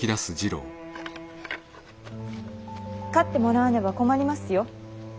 勝ってもらわねば困りますよ。